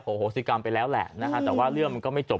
โหสิกรรมไปแล้วแหละนะฮะแต่ว่าเรื่องมันก็ไม่จบ